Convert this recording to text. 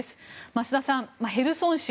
増田さん、ヘルソン市